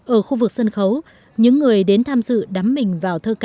ở khu vực sân khấu những người đến tham dự đắm mình vào thơ ca